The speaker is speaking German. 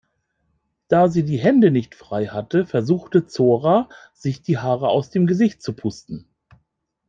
Da sie die Hände nicht frei hatte, versuchte Zora sich die Haare aus dem Gesicht zu pusten.